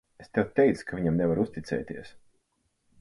Es tev teicu, ka viņam nevar uzticēties.